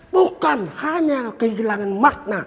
bukan hanya kehilangan makna